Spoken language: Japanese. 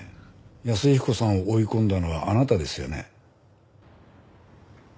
安彦さんを追い込んだのはあなたですよね？